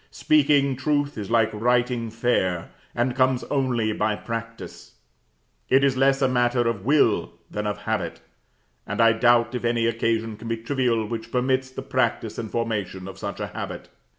Speaking truth is like writing fair, and comes only by practice; it is less a matter of will than of habit, and I doubt if any occasion can be trivial which permits the practice and formation of such a habit.